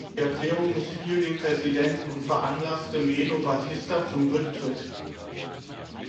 Die Erklärung missfiel dem Präsidenten und veranlasste Melo Batista zum Rücktritt.